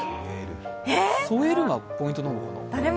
添えるがポイントなのかな？